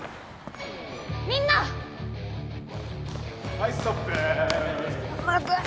・はいストップ。